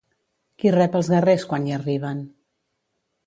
Qui rep els guerrers quan hi arriben?